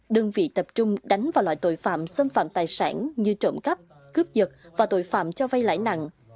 đơn vị tập trung đánh vào loại tội phạm xâm phạm tài sản như trộm cắp cướp dật và tội phạm cho vay lãi nặng